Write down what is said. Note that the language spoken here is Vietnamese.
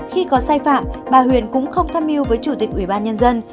khi có sai phạm bà huyền cũng không tham mưu với chủ tịch ủy ban nhân dân